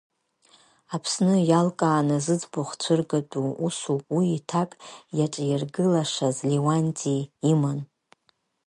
Аԥсны иалкааны зыӡбахә цәыргатәу усуп, уи иҭак иаҿаиргылашаз Леуанти иман.